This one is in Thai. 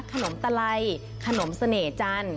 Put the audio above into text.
ขนมตะไลขนมเสน่ห์จันทร์